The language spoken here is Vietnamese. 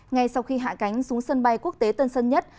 ngay sau khi hạ cánh xuống sân bay quốc tế tân sơn nhất